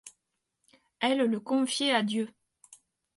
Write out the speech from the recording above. Elles le confiaient à Dieu.